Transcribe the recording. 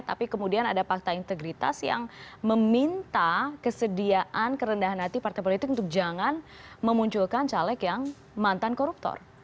tapi kemudian ada fakta integritas yang meminta kesediaan kerendahan hati partai politik untuk jangan memunculkan caleg yang mantan koruptor